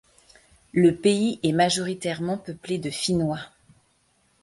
Le pays est majoritairement peuplé de Finnois.